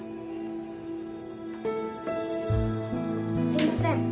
すみません